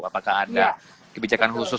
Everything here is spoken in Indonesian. apakah ada kebijakan khusus